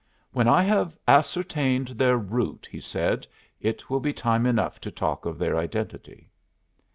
"When I have ascertained their route," he said, "it will be time enough to talk of their identity."